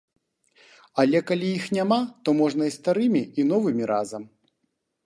Але калі іх няма, то можна і старымі, і новымі разам.